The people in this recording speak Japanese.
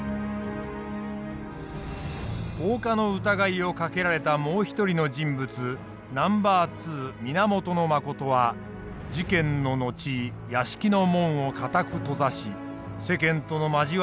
放火の疑いをかけられたもう一人の人物ナンバー２源信は事件の後屋敷の門を固く閉ざし世間との交わりを断ったという。